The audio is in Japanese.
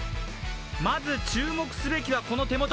まず注目すべきは、この手元。